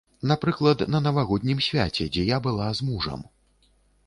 Напрыклад, на навагоднім свяце, дзе я была з мужам.